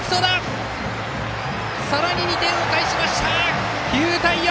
さらに２点を返して、９対４！